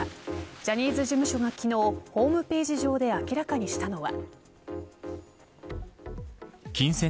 ジャニーズ事務所が昨日ホームページ上で明らかにしたのは。